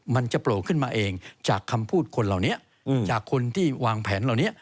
มันจะโผล่ขึ้นมาเองจากคำพูดคนเหล่านี้จากคนที่วางแผนเหล่านี้